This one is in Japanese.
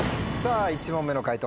１問目の解答